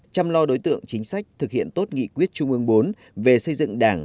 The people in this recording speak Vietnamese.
chăm lo đối tượng chính sách thực hiện tốt nghị quyết trung ương bốn về xây dựng đảng